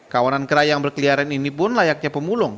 kawanan kerai yang berkeliaran ini pun layaknya pemulung